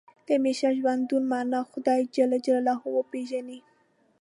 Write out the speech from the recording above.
د همیشه ژوندون معنا خدای جل جلاله وپېژني.